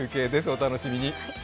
お楽しみに。